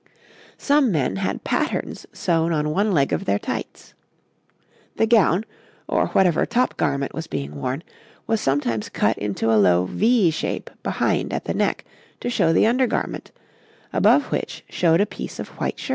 Some men had patterns sewn on one leg of their tights. The gown, or whatever top garment was being worn, was sometimes cut into a low, V shape behind at the neck to show the undergarment, above which showed a piece of white shirt.